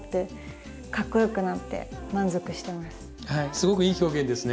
すごくいい表現ですね